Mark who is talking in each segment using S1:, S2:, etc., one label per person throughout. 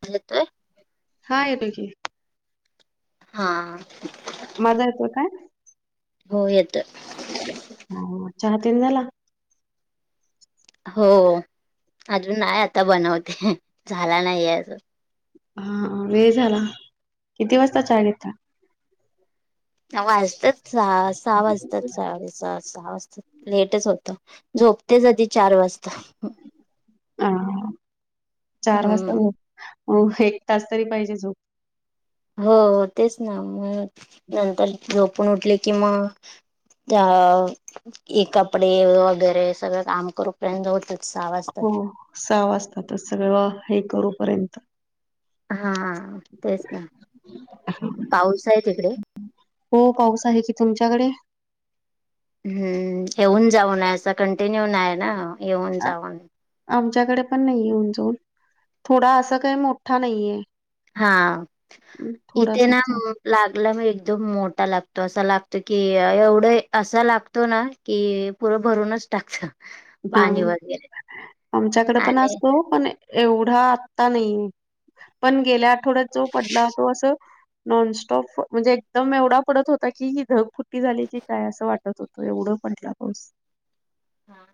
S1: [unintelligible]
S2: हा येतोय.
S1: हां
S2: माझा येतोय काय?
S1: हो येतोय.
S2: हो चहा तेन झाला?
S1: हो अजून नाय आता बनवते झाला नाहीे अजून.
S2: हा वेळ झाला किती वाजता चहा घेता?
S1: वाजतात सहा सहा वाजतात साडे सहा. सहा वाजता लेटच होत झोपतेच कधी चार वाजता.
S2: अ चार वाजता
S1: हम्म
S2: एक तास तरी पाहिजे झोप.
S1: हो हो तेच ना म नंतर झोपून उठले कि मग अ हे कपडे वगैरे सगळं काम करूपर्यंत होत.
S2: हो सहा वाजतातच सगळं हे करूपर्यंत
S1: हा तेच ना पाऊस आहे तिकडे
S2: हो पाऊस आहे कि तुमच्याकडे
S1: हम्म येऊन जाऊनय असं कंटिन्यू नाही ना येऊन
S2: आ-
S1: जाऊन.
S2: आमच्याकडे पण नाहीे उं जान थोडा असं काही मोठा नाहीये.
S1: हा इ ना.
S2: थोडासाच आहे.
S1: लागला मी एकदम मोठा लागतो असा लागतो की एवढं असा लागत. तो ना की पुरं भरूनच टाकश
S2: हा आमच्याकडे पण
S1: आणि
S2: असतो. पण एवढा आत्ता नाही पण गेल्या आठवड्यात जो पडला तो असं. नॉनस्टॉप म्हणजे एकदम एवढा पडत होता की ही धग फुट्टी झाली की काय असं वाटत. होतो एवढं म्हटला पास
S1: हा.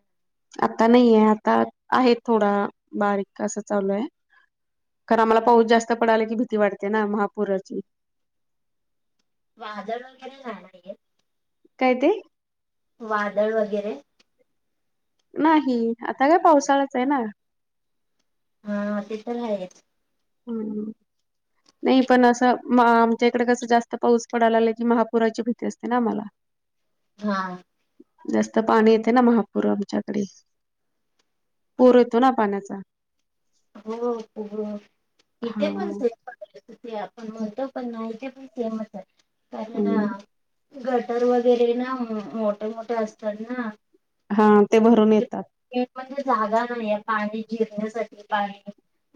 S2: आता नाहीये आता आहे थोडा बारीक असं चालू आहे. खर आम्हाला पाऊस जास्त पडायला की भीती वाटते ना महापुराची
S1: वादळ वगैरे जाणये.
S2: काय ते
S1: वादळ वगैरे
S2: नाही आता काय पावसाळाच आहे ना.
S1: हा ते तर आहेच.
S2: हम्. नाही पण असं आमच्या इकडे कसं जास्त पाऊस पडयला लाला की महापुराची भीती असते ना आम्हाला [unintelligible]
S1: हा.
S2: जास्त पाणी येते ना महापूर आमच्याकडे पूर येतो ना पाण्याचा
S1: हो हो हो
S2: हा
S1: इथे पण से ते आपण म्हणतो पण नाही तेे पण सेमच आहे
S2: हम्म.
S1: कारण गटर वगैरे ना मोठे मोठे असतात ना.
S2: हा ते भरून येतात.
S1: म्हणजे जागा नाही आहे पाणी जिरण्यासाठी पाणी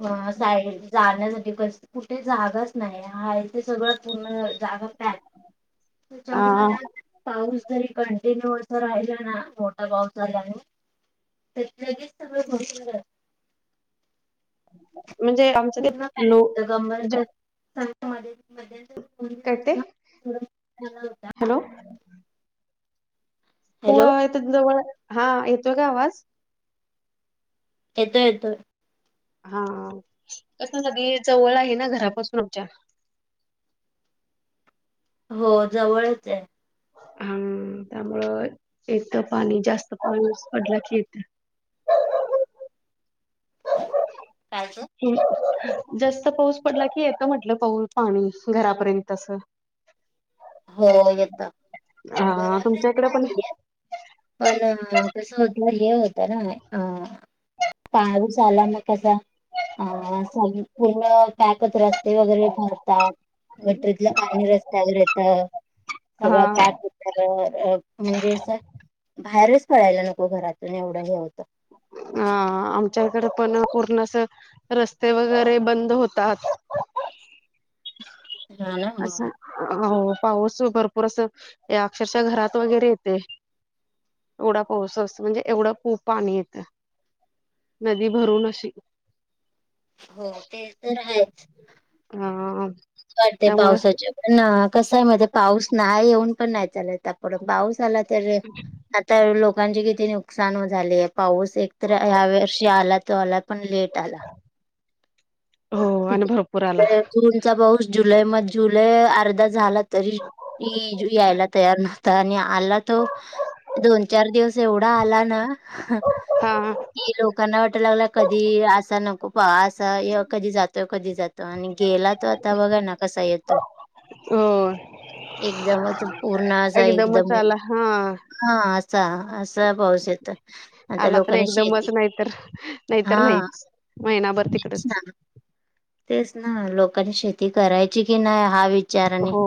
S1: अ साईड जाण्यासाठी कुठे जागाच नाही हा तेे सगळं पूर्ण जागा
S2: ह.
S1: जगळनाथ पाऊस जरी कंटिन्यू असं राहिला ना मोठा पाऊस झालाने त लगेच सगळं भ
S2: म्हणजे आमचं ते लो
S1: पूर्ण
S2: ज
S1: का गर
S2: करते हॅलो. पोवा
S1: हॅलो
S2: जवळ हा येतोय का आवाज
S1: येतोय येतोय.
S2: हा कस सगदी जवळ आहे ना घरापासून आमच्या
S1: हो जवळच आहे.
S2: हा त्यामुळं एक तर पाणी जास्त पा पडलं की येत.
S1: कायचं?
S2: हम्. जास्त पाऊस पडला की येत म्हटलं पाऊ पाणी घरापर्यंत अस.
S1: हो येत.
S2: अ तुमच्या इकडे पण
S1: वन कस होत्या हे होतना ह. पाऊस आला मग कसा अ पूर्ण पॅकत रस्त ते वगैरे भरतात गटरीतलं पाणी रस्त्यावर येतं
S2: हा
S1: सगळं पॅक तर म्हणजे सर बाहेरच कळायला नको घरातून एवढं हे होतं.
S2: आ आमच्या इकडे पण पूर्ण अस रस्ते वगैरे बंद होतात.
S1: हा ना ह.
S2: असं हो पाऊस भरपूर असं अक्षरशः घरात वगैरे येतेय. एवढा पाऊस असतो म्हणजे एवढं खूप पाणी येतं. नदी भरून अशी.
S1: हो ते तर हायच.
S2: हा
S1: वाटते पावसाच्या पण कसय महीत पाऊस नाही येऊन पण नाही चालत पाऊस आला तर आता लोकांचे किती नुकसान झालेय पाऊस एकतर ह्या वर्षी आला तो आला पण लेट आला.
S2: हो आणि भरपूर आला
S1: जूनचा पाऊस जुलै म जुलै अर्धा झाला. तरी इजू यायला तयार नव्हता आणि आला तो दोन चार दिवस जेवढा आला ना
S2: हा
S1: की लोकांना वाट लागला कधी असा नको. प असा कधी जातोय कधी जातो आणि गेला तो आता बघा ना कसा येतोय.
S2: हो
S1: एकदमच पूर्ण असा
S2: एकदमच
S1: एकदम
S2: आला हा
S1: हा असा अस च पाऊस येत आता
S2: आला तर
S1: लोकांनी
S2: एकदमच
S1: शेती
S2: नाहीतर नाहीतर
S1: हा.
S2: नाहीच महिनाभर
S1: तेच
S2: तिकडच.
S1: ना तेच ना लोकांनी शेती करायची कि नाही हा विचार आणि
S2: हो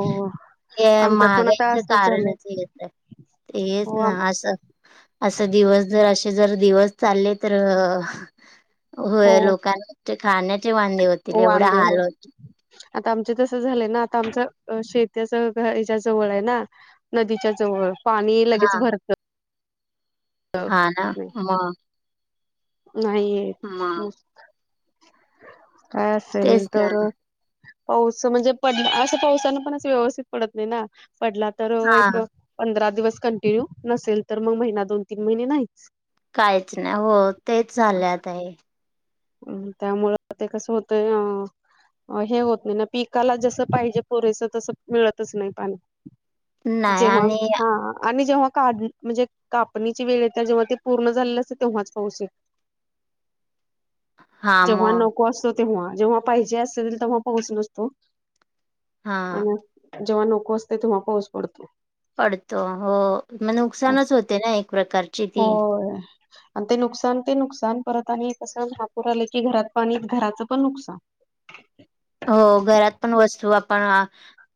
S1: हे
S2: आमच्यात पण आता
S1: महागाईच
S2: असंच झालंय
S1: कारणच येत तेच
S2: हो
S1: ना असं असं दिवस जर अशे जर दिवस चालले तर होय
S2: हो
S1: लोकांन चे खाण्याचे वांधे होतील एवढ्या
S2: वांदे हो
S1: हाल होतील.
S2: आता आमच तसं झालंय ना आता आमचं शेतीच ह्याच्या जवळ आहे ना. नदीच्या जवळ पाणी लगेच
S1: हा
S2: भरतं.
S1: हा ना मग?
S2: नाही येत
S1: मग
S2: मस्त काय असेल
S1: तेच
S2: तर
S1: ना
S2: पाऊस म्हणजे पडला असं पावसानं पण व्यवस्थित पडत नाही ना पडला तर
S1: हा
S2: एक पंधरा दिवस कंटिन्यू नसेल तर मग महिना दोन तीन महिने नाहीच.
S1: काहीच नाही हो तेच झालय आता हे.
S2: अम त्यामुळं ते कसं होतय अ हे होत नाही ना पिकाला जसं पाहिजे पुरेसं तसं मिळतच नाही पाणी.
S1: नाही
S2: जेव्हा
S1: आणि
S2: हा आणि जेव्हा काढण म्हणजे कापणीची वेळ येत्या जेव्हा ते पूर्ण झालेलं असते तेव्हाच पाऊस येतो
S1: हा
S2: जेव्हा
S1: मग
S2: नको असतो तेव्हा जेव्हा पाहिजे असेल तेव्हा पाऊस नसतो.
S1: हा
S2: आणि जेव्हा नको असतय तेव्हा पाऊस पडतो.
S1: पडतो हो मग
S2: अस
S1: नुकसानच होते ना एक प्रकारची ती.
S2: होय. आणि ते नुकसान ते नुकसान परत आणि कसं महापूर आलं की घरात पाणी घराचं पण नुकसान.
S1: हो घरात पण वस्तू आपण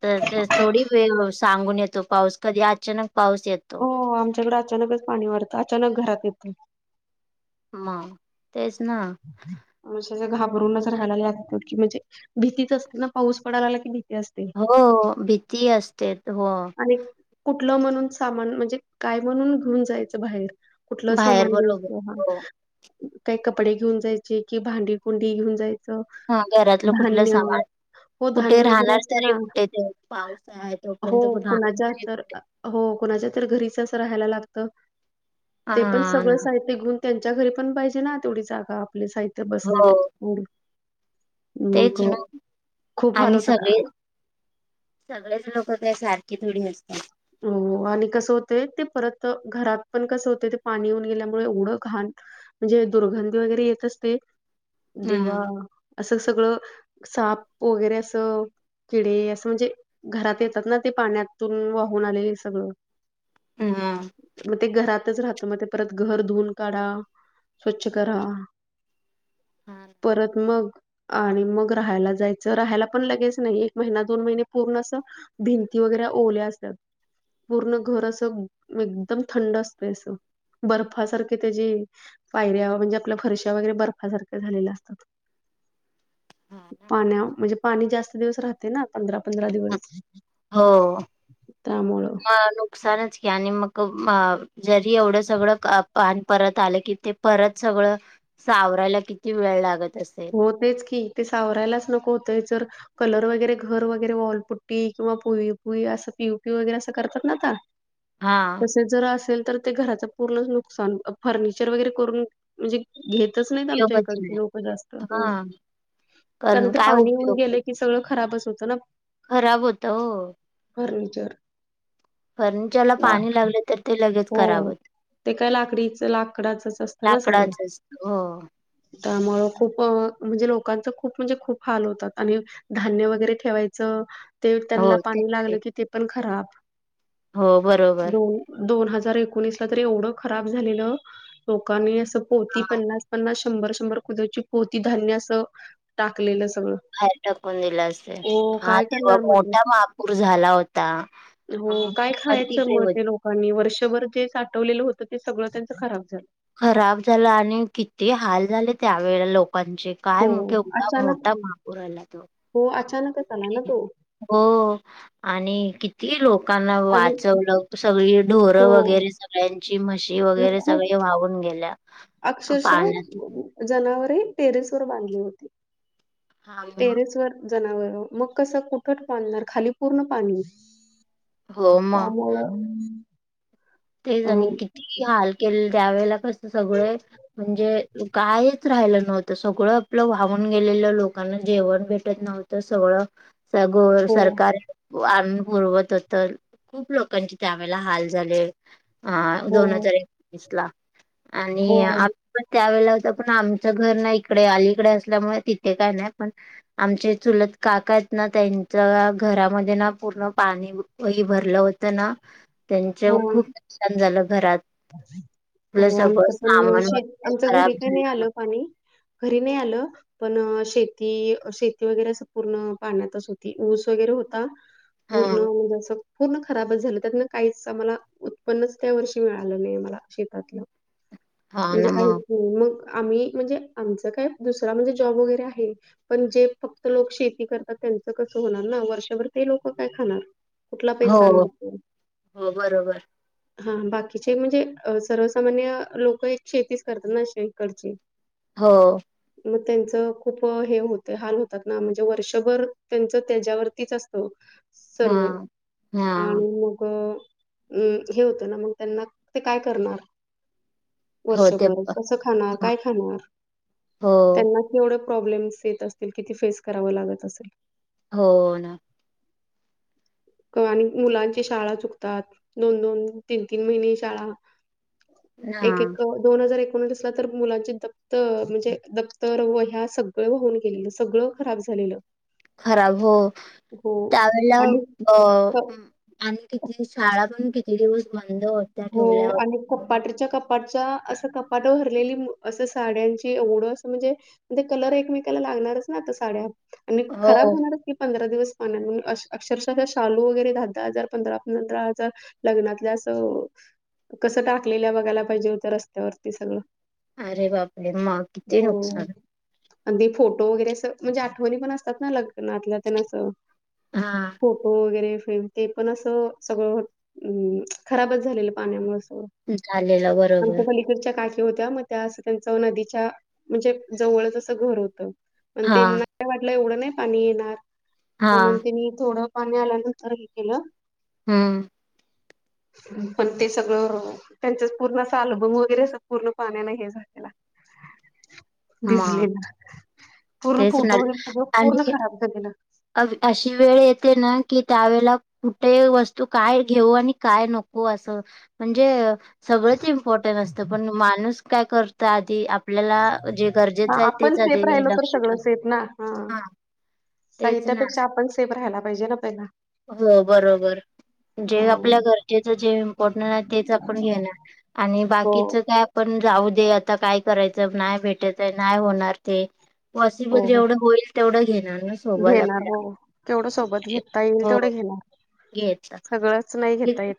S1: तर तर थोडी वेळ सांगून येतो पाऊस कधी अचानक पाऊस येतो.
S2: हो आमच्याकड अचानकच पाणी वारतं अचानक घरात येतंय.
S1: मग तेच ना.
S2: म्ह अशे घाबरूनच राहायला लागत की म्हणजे भीतीच असते ना पाऊस पडा लागला की भीती असते.
S1: हो हो भीती असते हो.
S2: आणि कुठलं म्हणून सामान म्हणजे काय म्हणून घेऊन जायचं बाहेर? कुठलं
S1: बाहेर
S2: सामान
S1: बरोबर
S2: द्यायच हा?
S1: हो
S2: काही कपडे घेऊन जायचे कि भांडी कुंडी घेऊन जाय
S1: हा घरातलं कुठलं सामान
S2: हो
S1: कुठे
S2: धान्य वगैरे
S1: राहणार
S2: असतं
S1: तरी
S2: ना
S1: कुठे ते पाऊस आहे
S2: हो
S1: तोपर्यंत कुठे? राहणार
S2: कुणाच्या
S1: तरी
S2: तर हो कुणाच्या तर घरीच अस राहायला लागत. ते पण
S1: हा
S2: सगळं
S1: ना
S2: साहित्य घेऊन त्यांच्या घरी पण पाहिजे ना तेवढी जागा आपले साहित्य बसण्यात
S1: हो
S2: ऊड
S1: तेच ना आणि सगळे सगळेच लोक काही सारखी थोडी नसत्यात.
S2: हो आणि कसं होतय ते परत घरात पण कसं होतय ते पाणी येऊन गेल्यामुळे एवढं घाण म्हणजे दुर्गंधी वगैरे येत असते, देवा!
S1: हम्म
S2: असं सगळं साप वगैरे असं किडे असं म्हणजे घरात येतात ना ते पाण्यातून वाहून आलेले सगळं
S1: हं हा
S2: मग ते घरातच राहत मग ते परत घर धुऊून काढा. स्वच्छ करा, परत मग आणि मग राहायला जायचं, राहायला पण लगेच नाही एक महिना दोन महिने पूर्ण असं भिंती वगैरे ओल्या असत्यात. पूर्ण घर असं एकदम थंड असतय असं बर्फासारखे त्याची पायऱ्या म्हणजे आपल्या फरशा वगैरे बर्फासारख्या झालेल्या असतात. पाण्या म्हणजे पाणी जास्त दिवस राहते ना पंधरा- पंधरा दिवस
S1: हो.
S2: त्यामुळं
S1: म नुकसानच कि आणि मग मा जरी एवढं सगळं पान परत आलं की ते परत सगळं सावरायला किती वेळ लागत असेल.
S2: हो तेच की ते सावरायलाच नको होतय जर कलर वगैरे घर वगैरे वॉलपुट्टी किंवा पोई पुई असं पीवू- पीवू वगैरे असं करतात ना आता [inaudible]
S1: हा
S2: तसे जर असेल तर ते घराचं पूर्ण नुकसान फर्निचर वगैरे करून म्हणजे घेतच नाहीत आमच्या
S1: उपयोगच
S2: इकडचे
S1: नाही
S2: लोक जास्त हम्म
S1: हा
S2: कारण ते
S1: काय
S2: पाणी येऊन
S1: उपयोग
S2: गेलं की सगळं खराबच होतं ना
S1: खराब होतं हो..
S2: फर्निचर
S1: फर्निचरला
S2: ला
S1: पाणी लागले तर ते लगेच
S2: हो
S1: खराब होतय.
S2: ते काय लाकडीच लाकडाचच असतं ना सगळं
S1: लाकडाच असतं हो
S2: त्यामुळं खूप म्हणजे लोकांच खूप म्हणजे खूप हाल होतात आणि धान्य वगैरे ठेवायचं ते त्यांना
S1: हो ते
S2: पाणी लागलं की ते पण खराब
S1: हो बरोबर
S2: दोन हजार एकोणीसला तरी एवढं खराब झालेलं लोकांनी असं पोती
S1: हा
S2: पन्नास पन्नास शंभर- शंभर कुदरची पोती धान्य असं टाकलेलं सगळं.
S1: बाहेर टाकून दिलं असेल,
S2: हो
S1: हा
S2: काय
S1: तेव्हा
S2: करणार मग ते
S1: मोठा महापूर झाला होता. हा मी पण तिकडे होते.
S2: आणि वर्षभर जे साठवलेलं होतं ते सगळं त्यांचं खराब झालं.
S1: खराब झाल आणि किती हाल झाले त्यावेळेला लोकांचे. काय
S2: हो
S1: म केवढा
S2: अचानक
S1: मोठा महापूर आला तो
S2: हो अचानकच आला
S1: हे
S2: ना
S1: घे,
S2: तो
S1: हो आणि कित ती लोकांना
S2: आणि
S1: वाचवलं सगळी ढोरं
S2: हो
S1: वगैरे सगळ्यांची म्हशी ती
S2: आणि
S1: वगैरे
S2: खूप
S1: सगळे वाहून गेल्या.
S2: अक्षरशः
S1: पाण्यात
S2: जनावरे टेरेस वर बांधली होती.
S1: हा
S2: टेरेस वर जनावर मग कसं कुठ पानणार खाली पूर्ण पाणी.
S1: हो
S2: [unintelligible]
S1: ते
S2: अ
S1: आणि किती हाल केले त्यावेेळेला कस सगळे म्हणजे कायच राहिलं नव्हतं सगळं आपलं वाहून गेलेलं लोकांना जेवण भेटत नव्हत. तर सगळं स गो
S2: हो,
S1: सरकार आणि पुरवत होत खूप लोकांचे त्यावेेळेला हाल झाले. हा
S2: हो,
S1: दोन हजार एकवीस ला,
S2: हो,
S1: आणि आ पण त्यावेेळेला होत पण आमचं घर नाही इकडे अलीकडे असल्यामुळे तिथे काय नाही पण आमचे चुलत काका आहेत ना त्यांच्या घरामध्ये ना पूर्ण पाणी वही भरलं होत ना त्यांच्या
S2: हो.
S1: खूप नुकसान झालं घरात. आपलं
S2: हो
S1: सगळं
S2: आमच पण
S1: सामान
S2: शेत
S1: वगैरे
S2: आमच
S1: खराब
S2: घरी काही नाही
S1: झालं
S2: आलं पाणी घरी नाही आलं. पण शेती शेती वगैरे सं पूर्ण पाण्यातच होती ऊस वगैरे होता‌.
S1: हा
S2: पूर्ण म्हणजें पूर्ण खराबच झालं त्यातन काहीच मला उत्पन्नच त्या वर्षी मिळालं नाही मला शेतातलं
S1: हा
S2: म्हणजे
S1: ना
S2: काही
S1: मग
S2: हो मग आम्ही म्हणजे आमचं काय दुसरा म्हणजे जॉब वगैरे आहे. पण जे फक्त लोक शेती करतात, त्यांचं कसं होणार ना वर्षभर ते लोक काय खाणार. कुठला पैसा
S1: हो
S2: आणणार ते?
S1: हो बरोबर!
S2: हा बाकीचे म्हणजे सर्वसामान्य लोक एक शेतीच करतात ना अे इकडची‌.
S1: हो.
S2: मग त्यांच खूप हे होत हाल होतात ना म्हणजे वर्षभर त्यांच त्याच्यावरतीच असत. हो
S1: हा
S2: सर्व
S1: हा
S2: आणि मग अम् हे होतं ना मग त्यांना ते काय करणार.
S1: हो ते
S2: वर्षभर
S1: पण.
S2: कसं खाणार काय खाणार
S1: हो
S2: त्यांना एवढे प्रॉब्लेम्स येत असतील किती फेस करावं लागत असेल.
S1: हो ना.
S2: आणि मुलांची शाळा चुकतात दोन दोन तीन तीन महिने शाळा
S1: हा
S2: एक एक दोन हजार एकोणीसला तर मुलांचे दप्त म्हणजे दप्तरव ह्या सगळं होऊन गेलेलं सगळं खराब झालेलं.
S1: खराब हो
S2: हो
S1: त्यावेेळेला
S2: आणि
S1: अ
S2: क
S1: आणि किती शाळा पण किती दिवस बंद हो
S2: हो आणि कपाटच्या कपाटच्या असं कपाट भरलेली असं साड्यांची एवढं असं म्हणजे. म्ह ते कलर एकमेकाला लागणारच ना आता साड्या आणि खराब
S1: हो.
S2: होणार. की पंधरा दिवस पान अक्षरशः शालू वगैरे दहा दहा हजार पंधरा पंधरा हजार लग्नातल्या असं कसं टाकलेल्या बघायला पाहिजे होतं रस्त्यावरती सगळं.
S1: अरे बापे रे! मग किती नुकसान.
S2: आणि ते फोटो वगैरे अस म्हणजे आठवणी पण असतात ना लग्नातल्या तेनअसं.
S1: हा.
S2: फोटो वगैरे ते पण असं सगळं खराबच झालेलं पाण्यामुळे सगळं.
S1: झालेलं बरोबर!
S2: तेनच्या काकी होत्या मग त्या त्यांच नदीच्या म्हणजे जवळच असं घर होतं. पण
S1: हा
S2: त्यांना वाटलं एवढं नाही पाणी येणार
S1: हा
S2: म्हणून त्यांनी थोडं. पाणी आल्यानंतर हे केलं
S1: हा.
S2: हम. पण ते सगळं त्यांच पूर्ण अस अल्बम वगैरे अस पूर्ण पाण्याने हे झालेलं. [unintelligible]
S1: मग
S2: भिजलेला पूर्ण
S1: तेच
S2: फोटो वगैरे सगळं पूर्ण खराब झालेलं.
S1: आज अशी वेळ येते ना की त्यावेेळेला ते वस्तू काय घेऊ आणि काय नको असं म्हणजे सगळंच इम्पॉर्टंनं असतं पण माणूस काय करतो आधी आपल्याला जे
S2: हा
S1: गरजेचं आहे
S2: आपण
S1: तेच
S2: सेफ
S1: आधी
S2: राहिलो तर
S1: लक्ष
S2: सगळं
S1: ठेव
S2: सेफ ना.
S1: हा तेच ना
S2: साहित्यापेक्षा आपण सेफ राहायला पाहिजे ना पहिला
S1: हो बरोबर
S2: अ
S1: जे आपल्या गरजेचं जे इम्पॉर्टन आहे तेच आपण घेणार आणि
S2: हो
S1: बाकीचं काय पण जाऊ दे आता काय करायचं न्हाय भेटत आहे न्हाय होणार ते पॉसिबल
S2: हो हो.
S1: जेवढं होईल तेवढं घेणार ना सोबत
S2: घेणार हो
S1: आपल्या
S2: केवढं सोबत घेता येईल
S1: हो
S2: तेवढं घेणार
S1: घ्यायच
S2: सगळंच नाही घेता येत